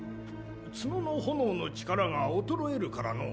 角の炎の力が衰えるからの。